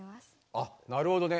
あなるほどね。